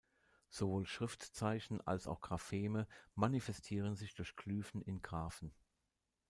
Sowohl Schriftzeichen als auch Grapheme manifestieren sich durch Glyphen in Graphen.